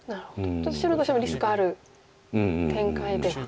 ちょっと白としてもリスクある展開では。